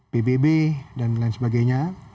pbb dan lain sebagainya